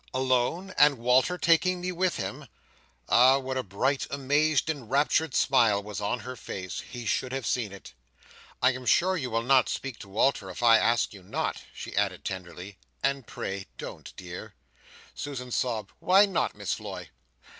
"Alone? and Walter taking me with him!" Ah, what a bright, amazed, enraptured smile was on her face!—He should have seen it. "I am sure you will not speak to Walter if I ask you not," she added tenderly; "and pray don't, dear." Susan sobbed "Why not, Miss Floy?"